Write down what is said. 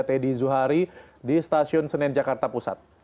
teddy zuhari di stasiun senen jakarta pusat